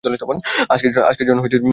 আজকের জন্য যথেষ্ট।